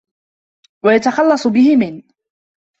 وَيَتَخَلَّصُ بِهِ مِنْ